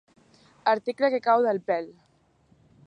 Article que cau del pèl.